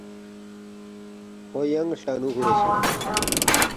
کھو ینگ ہلٹنُو کُھورے سونگس